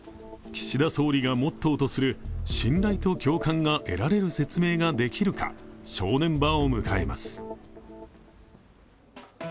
岸田総理がモットーとする信頼と共感が得られる説明ができるか正念場を迎えます。